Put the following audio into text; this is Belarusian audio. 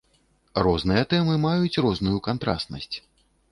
Розныя тэмы маюць розную кантрастнасць.